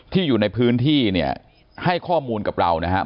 อยู่ในพื้นที่เนี่ยให้ข้อมูลกับเรานะครับ